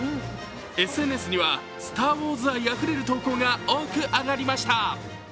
ＳＮＳには「スター・ウォーズ」愛あふれる投稿が多く上がりました。